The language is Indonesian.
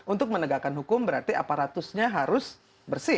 untuk menegakkan hukum berarti aparatusnya harus bersih